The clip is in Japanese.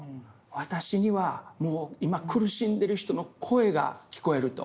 私には今苦しんでる人の声が聞こえると。